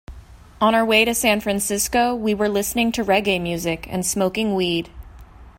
On our way to San Francisco, we were listening to reggae music and smoking weed.